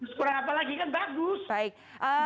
sekurang kurangnya apa lagi kan bagus